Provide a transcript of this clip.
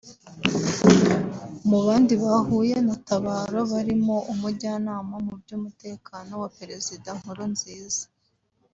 Mu bandi bahuye na Tabaro barimo Umujyanama mu by’Umutekano wa Perezida Nkurunziza